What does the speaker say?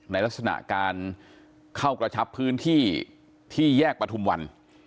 ในลักษณะการเข้ากระชับพื้นที่ที่แยกประทุมวัน